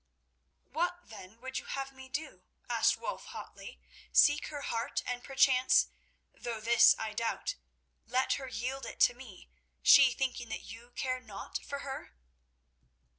"What, then, would you have me do?" asked Wulf hotly. "Seek her heart, and perchance—though this I doubt—let her yield it to me, she thinking that you care naught for her?"